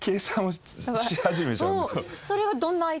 それはどんな相手でも？